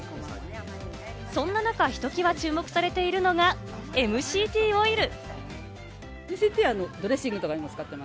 そんな中、ひときわ注目されているのがＭＣＴオイル。